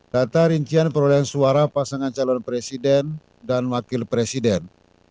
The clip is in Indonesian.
data rincian perolehan suara pasangan calon presiden dan wakil presiden